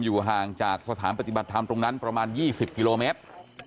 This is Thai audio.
อยู่ห่างจากสถานปฏิบัติธรรมตรงนั้นประมาณ๒๐กิโลเมตร